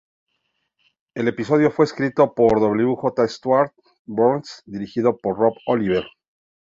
El episodio fue escrito por J. Stewart Burns y dirigido por Rob Oliver.